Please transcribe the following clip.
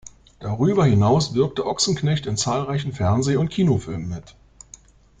Darüber hinaus wirkte Ochsenknecht in zahlreichen Fernseh- und Kinofilmen mit.